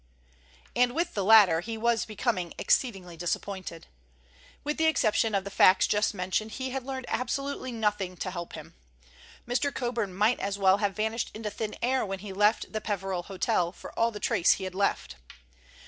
And with the latter he was becoming exceedingly disappointed. With the exception of the facts just mentioned, he had learned absolutely nothing to help him. Mr. Coburn might as well have vanished into thin air when he left the Peveril Hotel, for all the trace he had left.